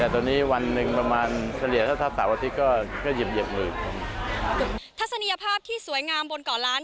ทัศนียภาพที่สวยงามบนเกาะล้าน